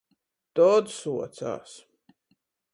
Tod suocās.